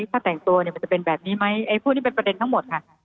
ถ้าแต่งตัวเนี่ยมันจะเป็นแบบนี้ไหมไอ้พวกนี้เป็นประเด็นทั้งหมดค่ะ